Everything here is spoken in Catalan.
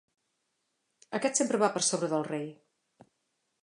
Aquest sempre va per sobre del rei.